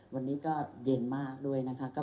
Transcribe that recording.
วันนี้เย็นมากเนาะ